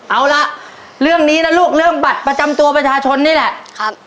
เอาล่ะเรื่องนี้นะลูกเรื่องบัตรประจำตัวประชาชนนี่แหละครับ